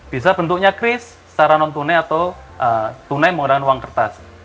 bisa bentuknya kris secara non tunai atau tunai menggunakan uang kertas